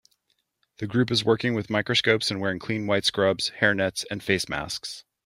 The group is working with microscopes and wearing clean white scrubs, hairnets and face masks.